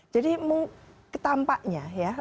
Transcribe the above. jadi ketampaknya ya